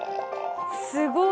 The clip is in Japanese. すごい！